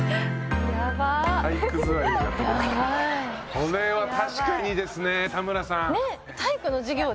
これは確かにですね田村さん。